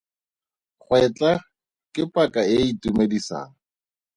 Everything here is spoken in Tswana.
Gwetla ke paka e e itumedisang.